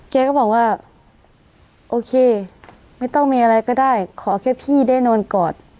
แกก็บอกว่าโอเคไม่ต้องมีอะไรก็ได้ขอแค่พี่ได้นอนกอด